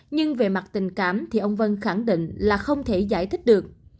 nhưng về mặt tình cảm thì ông vân khẳng định là không thể giải thích được